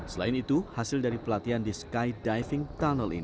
selain itu hasil dari pelatihan di skydiving tunnel ini tidak bisa dikendalikan